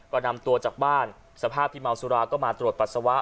ก็นำตัวจากบ้านสภาพที่เมาสุราก็มาตรวจปัสสาวะ